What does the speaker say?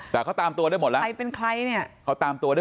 แต่เขาตามตัวด้วยหมดซักเป็นใครตอนตามตัวด้วย